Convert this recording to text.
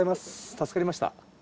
助かりました。